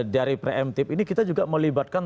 dari preemptif ini kita juga melibatkan